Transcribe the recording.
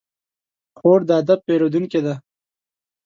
خور د ادب پېرودونکې ده.